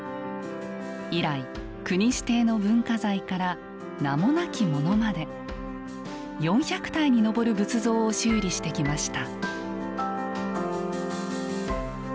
以来国指定の文化財から名もなきものまで４００体に上る仏像を修理してきました。